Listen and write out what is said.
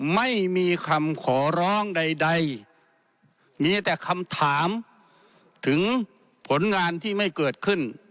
ไม่มีคำขอร้องใดมีแต่คำถามถึงผลงานที่ไม่เกิดขึ้น